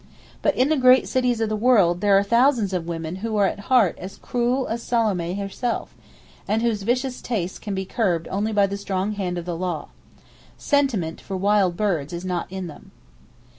But in the great cities of the world there are thousands of women who are at heart as cruel as Salome herself, and whose vicious tastes can be curbed only by the strong hand of the law. "Sentiment" for wild birds is not in them.